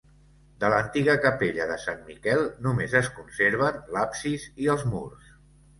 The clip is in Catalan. De l'antiga capella de Sant Miquel només es conserven l'absis i els murs.